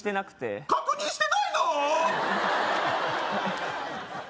えっ確認してないの？